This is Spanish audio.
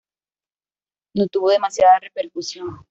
No tuvo demasiada repercusión.